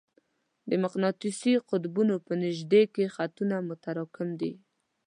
د مقناطیسي قطبونو په نژدې کې خطونه متراکم دي.